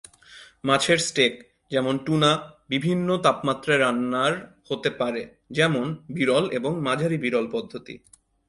মাছের স্টেক, যেমন টুনা, বিভিন্ন তাপমাত্রায় রান্নার হতে পারে, যেমন বিরল এবং মাঝারি-বিরল পদ্ধতি।